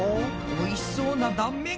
おいしそうな断面。